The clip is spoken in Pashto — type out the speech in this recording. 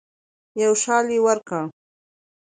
یو شال یې ورکړ.